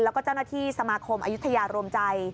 แล้วก็เจ้าหน้าที่สมาคมอายุทยารวมใจ